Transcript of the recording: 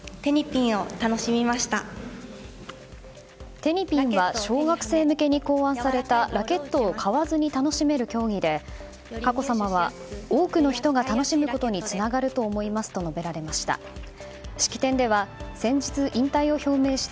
テニピンは小学生向けに考案されたラケットを買わずに楽しめる競技で佳子さまは多くの人が楽しむことにつながると思いますと述べられました。